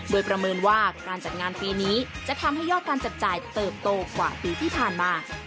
โดยประเมินว่าการจัดงานปีนี้จะทำให้ยอดการจับจ่ายเติบโตกว่าปีที่ผ่านมา